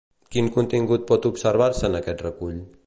Quin contingut pot observar-se en aquest recull?